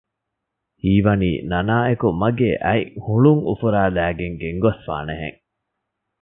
ހީވަނީ ނަނާއެކު މަގޭ އަތް ހުޅުން އުފުރާލައިގެން ގެންގޮސްފާނެ ހެން